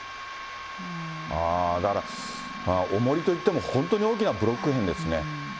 だからおもりといっても本当に大きなブロックへんですね。